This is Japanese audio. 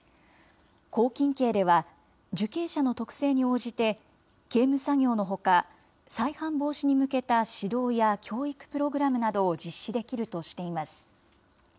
拘禁刑では、受刑者の特性に応じて、刑務作業のほか、再犯防止に向けた指導や教育プログラムなどを実施できるとしています。